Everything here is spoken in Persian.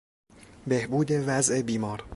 بهبود وضع بیمار